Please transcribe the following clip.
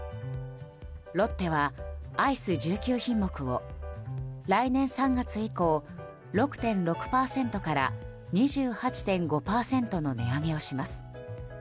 ロッテはアイス１９品目を来年３月以降６．６％から２８．５％の値上げをします。